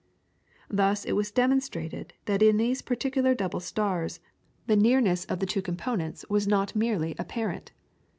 Thus it was demonstrated that in these particular double stars the nearness of the two components was not merely apparent.